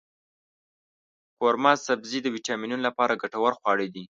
قورمه سبزي د ویټامینونو لپاره ګټور خواړه دی.